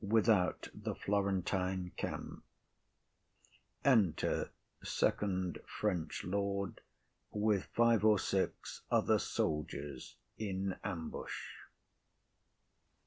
Without the Florentine camp. Enter first Lord with five or six Soldiers in ambush.